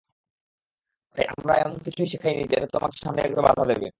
তাই আমরা এমন কিছুই শেখাইনি যেটা তোমাকে সামনে এগোতে বাধা দেবে।